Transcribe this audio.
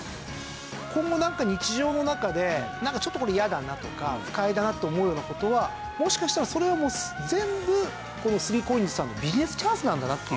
今後なんか日常の中でなんかちょっとこれ嫌だなとか不快だなと思うような事はもしかしたらそれはもう全部３ＣＯＩＮＳさんのビジネスチャンスなんだなっていうね。